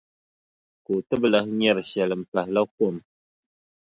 Ka o ti bi lahi nyari shɛli m-pahila kom.